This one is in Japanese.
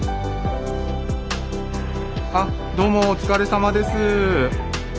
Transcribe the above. あどうもお疲れさまです。